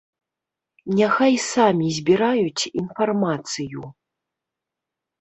Няхай самі збіраюць інфармацыю.